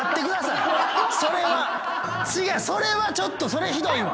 それはちょっとそれひどいわ。